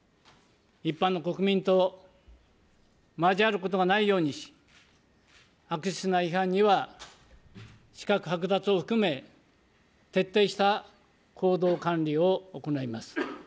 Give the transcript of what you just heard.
一般の国民と交わることがないようにし、悪質な違反には、資格剥奪を含め、徹底した行動管理を行います。